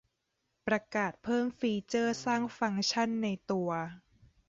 ประกาศเพิ่มฟีเจอร์สร้างฟังก์ชั่นในตัว